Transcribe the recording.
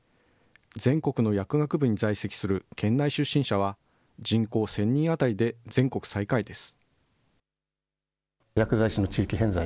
全国の薬学部に在籍する県内出身者は、人口１０００人当たりで全国最下位です。